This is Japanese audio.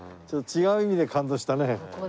ちょっと違う意味で感動したね。